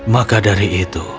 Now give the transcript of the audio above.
maka dari itu